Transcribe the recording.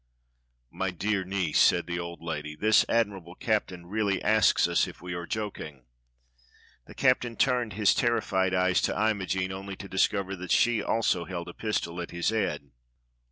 " "My dear niece," said the old lady, "this admirable captain really asks us if we are joking." The captain turned his terrified eyes to Imogene only to discover that she also held a pistol at his head.